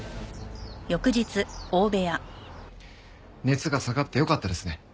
熱が下がってよかったですね。